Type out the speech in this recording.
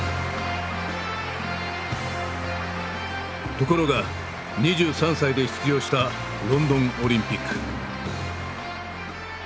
ところが２３歳で出場したロンドンオリンピック。